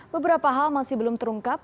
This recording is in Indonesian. beberapa hal masih belum terungkap